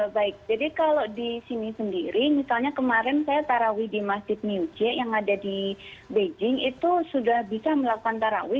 baik jadi kalau di sini sendiri misalnya kemarin saya tarawih di masjid new j yang ada di beijing itu sudah bisa melakukan tarawih